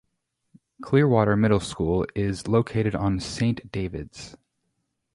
Clearwater Middle School is located on Saint David's.